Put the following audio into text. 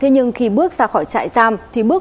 rất nhiều là khác luôn